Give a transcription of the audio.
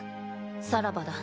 さらばだ